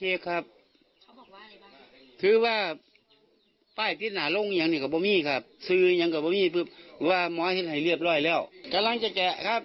ยาจินยามันฉุนแมลงนะครับ